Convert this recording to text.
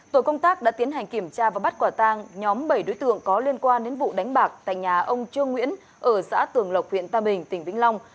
tổ công tác đã tiến hành kiểm tra và bắt quả tang nhóm bảy đối tượng có liên quan đến vụ đánh bạc tại nhà ông trương nguyễn ở xã tường lộc huyện tam bình tỉnh vĩnh long